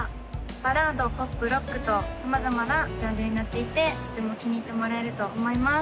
バラードポップロックと様々なジャンルになっていてとても気に入ってもらえると思います